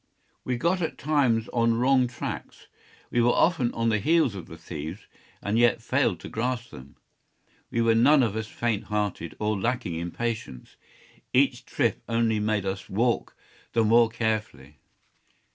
We got at times on wrong tracks. We were often on the heels of the thieves, and yet failed to grasp them. We were none of us faint hearted, or lacking in patience. Each trip only made us walk the more carefully.